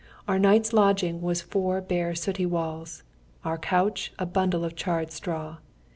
Our night's lodging was four bare sooty walls, our couch a bundle of charred straw.